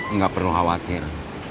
bu nawang gak perlu khawatir